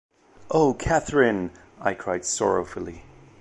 ‘Oh, Catherine!’ I cried, sorrowfully.